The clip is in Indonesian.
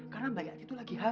karena mbak yati tuh lagi hamil